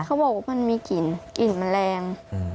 เขาบอกว่ามันมีกลิ่นกลิ่นมันแรง